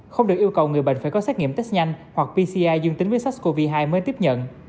không được yêu cầu người bệnh phải có xét nghiệm test nhanh hoặc pci dương tính với sars cov hai mới tiếp nhận